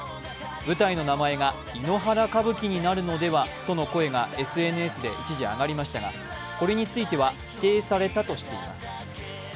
舞台の名前が井ノ原歌舞伎になるのではとの声が一時ＳＮＳで上がりましたがこれについては否定されたとしています。